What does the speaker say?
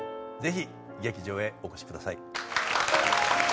ぜひ劇場へお越しください。